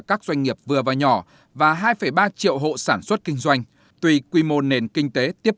các doanh nghiệp vừa và nhỏ và hai ba triệu hộ sản xuất kinh doanh tuy quy mô nền kinh tế tiếp